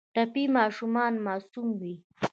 ټپي ماشومان معصوم وي.